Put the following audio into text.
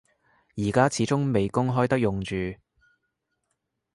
而家始終未公開得用住